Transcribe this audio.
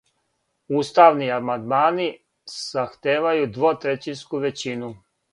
Уставни амандмани захтевају двотрећинску већину.